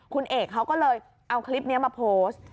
คุณเอกเขาก็เลยเอาคลิปนี้มาโพสต์